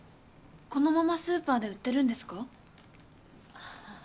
このままスーパーで売ってるんですか？